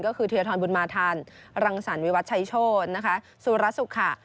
ก็คือเทียทรบุญมาทันรังสรรวิวัตชัยโชธนะคะสุรสุขะ